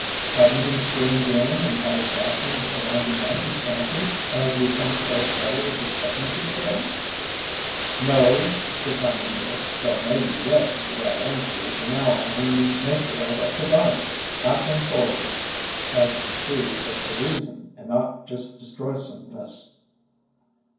"Have you been stealing game and had it fastened around your neck in penalty, as we punished our setter with the chickens he killed?" "No," said Time o' Year, "though mebbe Yes is the right answer, for now I 'm in the na tur' of a provider, 1 've been for ^ agin', as you can see, but for rea son, and not just destroysome ness.